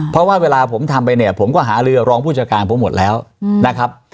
เพราะว่าเวลาผมทำไปเนี่ยผมก็หาลือรองผู้จัดการผมหมดแล้วนะครับ